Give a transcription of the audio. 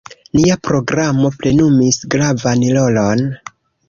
Nia programo plenumis gravan rolon.